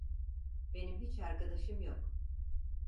Benim hiç arkadaşım yok.